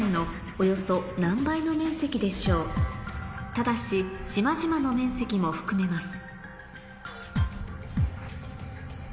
ただし島々の面積も含めます